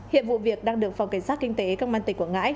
hiện vụ việc đang được phòng cảnh sát kinh tế công an tỉnh quảng ngãi